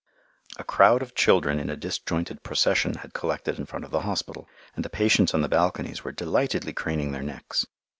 A crowd of children in a disjointed procession had collected in front of the hospital, and the patients on the balconies were delightedly craning their necks.